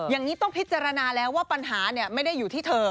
อย่างนี้ต้องพิจารณาแล้วว่าปัญหาไม่ได้อยู่ที่เธอ